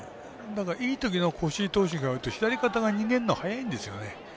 だからいいときの越井投手だと左肩が逃げるのが早いんですよね。